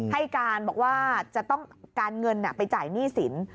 ให้การบอกว่าจะต้องการเงินไปจ่ายหนี้สิน